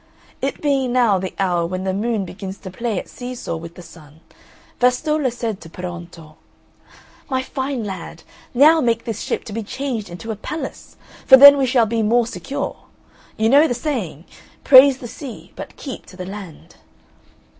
It being now the hour when the Moon begins to play at see saw with the Sun, Vastolla said to Peruonto, "My fine lad, now make this ship to be changed into a palace, for then we shall be more secure; you know the saying, "Praise the Sea, but keep to the Land."